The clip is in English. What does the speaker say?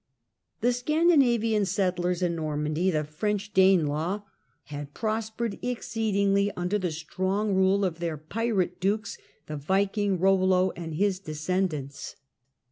Normandy The Scandinavian settlers in Normandy, the " French Danelaw," had prospered exceedingly under the strong rule of their " pirate dukes," the Viking Eollo and his descendants.